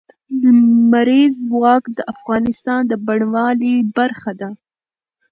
لمریز ځواک د افغانستان د بڼوالۍ برخه ده.